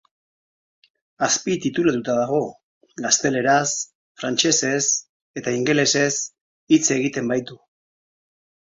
Azpititulatua dago, gazteleraz, frantsesez eta ingelesez hitz egiten baitu.